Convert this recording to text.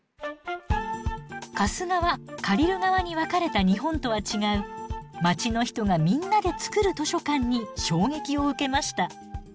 貸す側借りる側に分かれた日本とは違う街の人がみんなで作る図書館に衝撃を受けました。